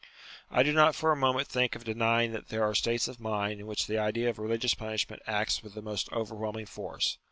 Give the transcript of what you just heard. I do not for a moment think of denying that there are states of mind in which the idea of religious punishment acts with the most overwhelming force.